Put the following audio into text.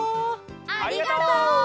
ありがとう！